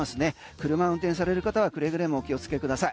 車運転される方はくれぐれもお気をつけください。